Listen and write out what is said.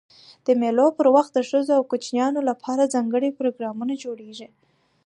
د مېلو پر وخت د ښځو او کوچنيانو له پاره ځانګړي پروګرامونه جوړېږي.